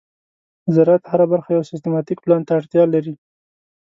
د زراعت هره برخه یو سیستماتيک پلان ته اړتیا لري.